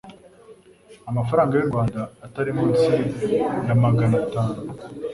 amafaranga y u rwanda atari munsi yamagana atanu